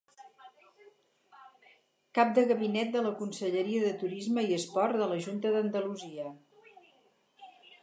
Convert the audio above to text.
Cap de Gabinet de la Conselleria de Turisme i Esport de la Junta d'Andalusia.